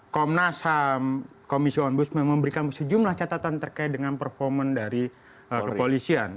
komnas ham komisi ombudsman memberikan sejumlah catatan terkait dengan performa dari kepolisian